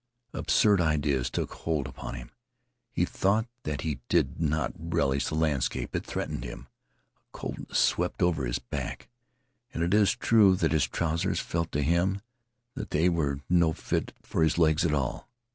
Absurd ideas took hold upon him. He thought that he did not relish the landscape. It threatened him. A coldness swept over his back, and it is true that his trousers felt to him that they were no fit for his legs at all.